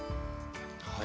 はい。